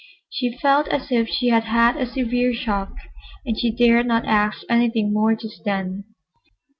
She felt as if she had had a severe shock, and she dared not ask anything more just then.